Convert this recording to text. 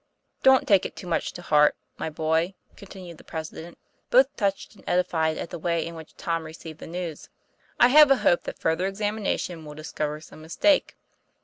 'Don't take it too much to heart, my boy," con tinued the President, both touched and edified at the way in which Tom received the news. "I have a hope that further examination will discover some mistake.